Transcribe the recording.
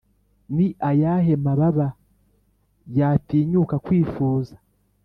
ni ayahe mababa yatinyuka kwifuza?